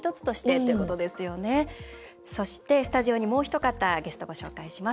そしてスタジオにもうひと方ゲストをご紹介します。